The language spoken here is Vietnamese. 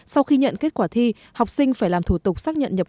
sau khi nhận kết quả thi học sinh phải làm thủ tục xác nhận nhập